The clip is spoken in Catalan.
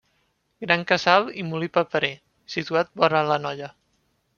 Gran casal i molí paperer, situat vora l'Anoia.